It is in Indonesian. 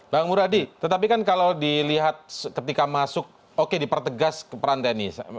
bang muradi tetapi kan kalau dilihat ketika masuk oke dipertegas peran tni